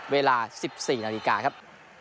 เวลา๑๔นาฬิกาครับ